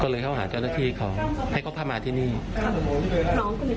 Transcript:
ก็เลยเดินกันไปเรื่อยหลบทั้งทะลุงก็ไปในป่าแม่พีคครับ